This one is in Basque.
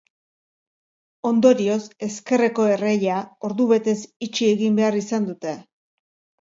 Ondorioz, ezkerreko erreia ordubetez itxi egin behar izan dute.